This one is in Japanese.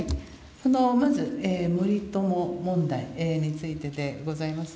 まず森友問題についてでございます。